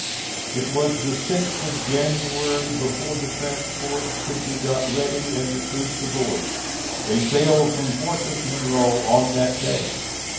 It was the 6th of January before the transports could be got ready and the troops aboard. They sailed from Fortress Monroe on that day.